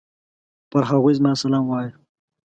پر هغوی زما سلام وايه!